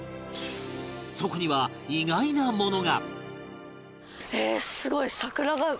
そこには意外なものが！